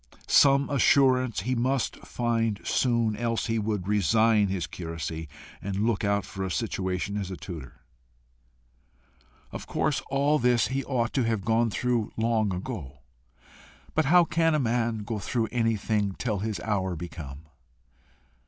Some assurance he must find soon, else he would resign his curacy, and look out for a situation as tutor. Of course all this he ought to have gone through long ago! But how can a man go through anything till his hour be come?